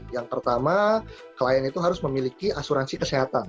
yang pertama klien itu harus memiliki asuransi kesehatan